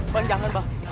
bang jangan bang